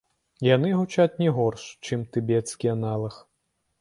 Яны гучаць не горш, чым тыбецкі аналаг.